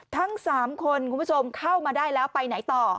ทั้ง๓คนคุณผู้ชมเข้ามาได้แล้วไปไหนต่อ